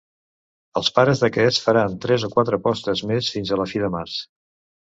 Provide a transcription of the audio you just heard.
Els pares d’aquest faran tres o quatre postes més fins a la fi de març.